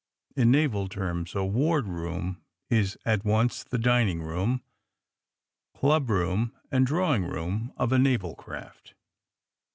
In naval terms a wardroom is at once the dining room, clubroom and draw ing room of a naval craft.